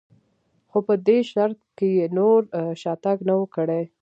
خو په دې شرط که یې نور شاتګ نه و کړی.